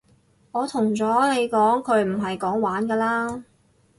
我同咗你講佢唔係講玩㗎囉